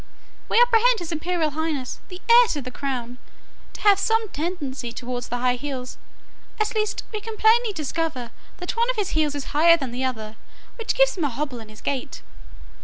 We apprehend his imperial highness, the heir to the crown, to have some tendency towards the high heels; at least we can plainly discover that one of his heels is higher than the other, which gives him a hobble in his gait.